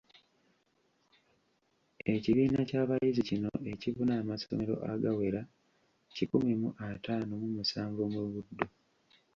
Ekibiina ky’abayizi kino ekibuna amasomero agawera kikumu mu ataano mu musanvu mu Buddu